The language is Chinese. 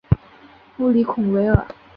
布里孔维尔。